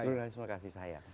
iya jurnalisme kasih sayang